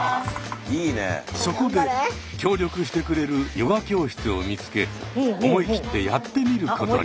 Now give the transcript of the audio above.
そこで協力してくれるヨガ教室を見つけ思い切ってやってみることに。